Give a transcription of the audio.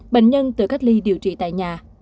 bệnh nhân tự cách ly điều trị tại nhà